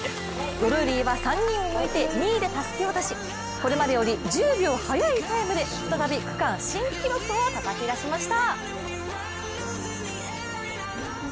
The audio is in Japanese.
ドルーリーは３人を抜いて２位でたすきを渡しこれまでより１０秒速いタイムで再び区間新をたたき出しました。